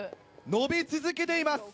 伸び続けています。